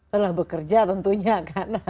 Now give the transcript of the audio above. lelah bekerja tentunya karena